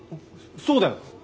そうだよ。